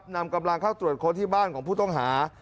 นำกำลังเข้าตรวจค้นที่บ้านของผู้ต้องหา